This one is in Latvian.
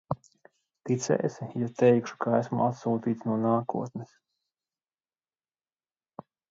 Ticēsi, ja teikšu, ka esmu atsūtīts no nākotnes?